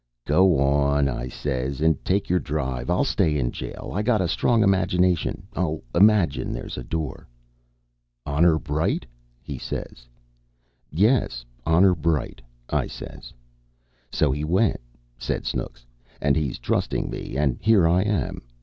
"'Go on,' I says, 'and take your drive. I'll stay in jail. I got a strong imagination. I'll imagine there's a door.' "'Honor bright?' he says. "'Yes, honor bright,' I says. "So he went," said Snooks, "and he's trusting me, and here I am.